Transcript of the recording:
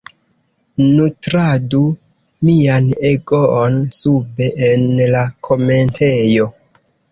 Nutradu mian egoon sube en la komentejo!